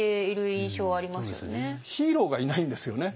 ヒーローがいないんですよね。